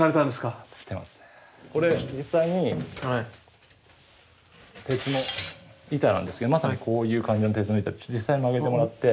これ実際に鉄の板なんですけどまさにこういう感じの鉄の板で実際に曲げてもらって。